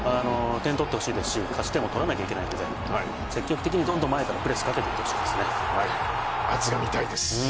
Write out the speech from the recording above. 点を取ってほしいですし勝ち点を取らなければいけないので積極的にどんどん前からプレスかけていって圧が見たいです。